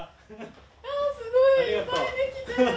ああすごいいっぱいできてる！